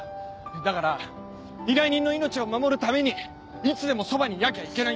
だから依頼人の命を守るためにいつでもそばにいなきゃいけない。